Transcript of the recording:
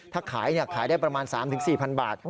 ถ้าขายเนี่ยขายได้ประมาณ๓๔พันบาท